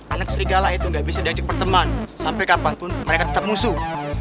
anak serigala itu nggak bisa diajak perteman sampai kapanpun mereka tetap musuh